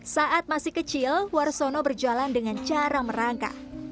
saat masih kecil warsono berjalan dengan cara merangka